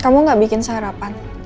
kamu gak bikin sarapan